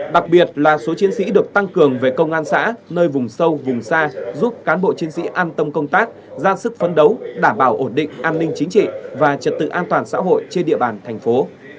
đặc biệt là số chiến sĩ được tăng cường về công an xã nơi vùng sâu vùng xa giúp cán bộ chiến sĩ an tâm công tác ra sức phấn đấu đảm bảo ổn định an ninh chính trị và trật tự an toàn xã hội trên địa bàn thành phố